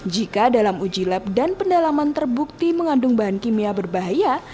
jika dalam uji lab dan pendalaman terbukti mengandung bahan kimia berbahaya